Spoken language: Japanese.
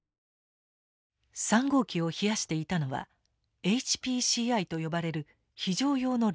３号機を冷やしていたのはＨＰＣＩと呼ばれる非常用の冷却装置。